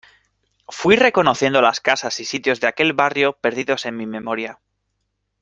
Fuí reconociendo las casas y sitios de aquel barrio perdidos en mi memoria.